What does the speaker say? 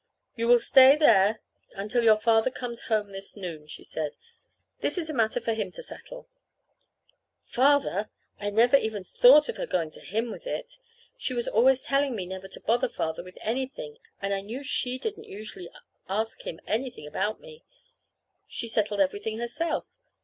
"You will stay there until your father comes home this noon," she said. "This is a matter for him to settle." Father! And I never even thought of her going to him with it. She was always telling me never to bother Father with anything, and I knew she didn't usually ask him anything about me. She settled everything herself.